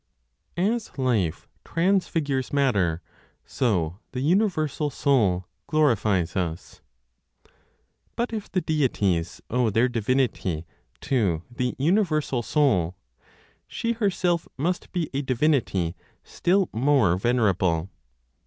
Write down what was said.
" AS LIFE TRANSFIGURES MATTER, SO THE UNIVERSAL SOUL GLORIFIES US. But if the deities owe their divinity to the universal Soul, she herself must be a divinity still more venerable.